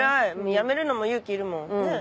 やめるのも勇気いるもんねぇ？